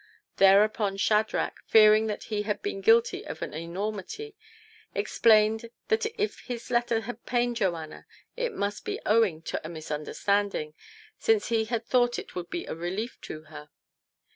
Thereupon Shadrach, fearing that he had been guilty of an enormity, explained that if his letter had pained Joanna it must be owing to TO PLEASE HIS WIFE. 115 a misunderstanding,, since he had thought it would be a relief to her.